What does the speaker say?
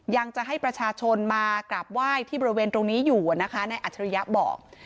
ยังจะให้ประชาชนมากราบไหว้ที่บริเวณตรงนี้อยู่นะคะในอัจฉริยะบอก